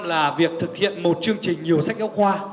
là việc thực hiện một chương trình nhiều sách giáo khoa